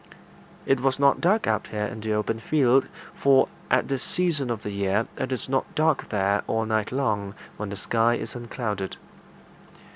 It was not dark out here in the open field, for at this season of the year it is not dark there all night long, when the sky is unclouded.